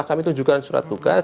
kita sudah mencari surat tugas